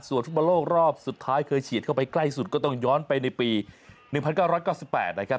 ส่วนฟุตบอลโลกรอบสุดท้ายเคยฉีดเข้าไปใกล้สุดก็ต้องย้อนไปในปี๑๙๙๘นะครับ